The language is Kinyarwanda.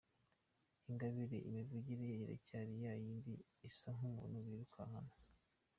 Ingabire imivugire ye iracyari ya yindi isa nk’iy’umuntu birukankana.